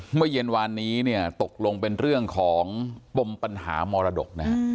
เมื่อเย็นวานนี้เนี่ยตกลงเป็นเรื่องของปมปัญหามรดกนะฮะ